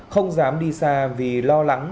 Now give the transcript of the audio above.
không dám đi xa vì lo lắng